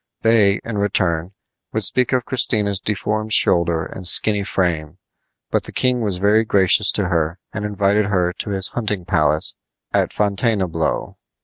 They, in return, would speak of Christina's deformed shoulder and skinny frame; but the king was very gracious to her and invited her to his hunting palace at Fontainebleau.